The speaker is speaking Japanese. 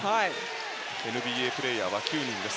ＮＢＡプレーヤーは９人です。